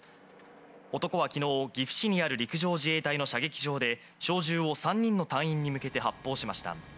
男は昨日、岐阜市にある陸上自衛隊の射撃場で小銃を３人の隊員に向けて発砲しました。